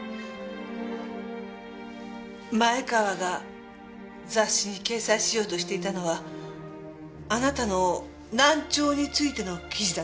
前川が雑誌に掲載しようとしていたのはあなたの難聴についての記事だったんですね。